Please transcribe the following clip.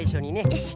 よし。